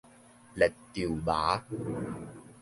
列宙峇